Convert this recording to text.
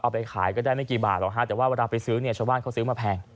ไปขายก็ได้ไม่กี่บาทหรอกฮะแต่ว่าเวลาไปซื้อเนี่ยชาวบ้านเขาซื้อมาแพง